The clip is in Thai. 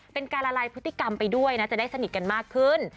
เป็นการละลายพฤติกรรมไปด้วยนะจะได้สนิทกันมากขึ้น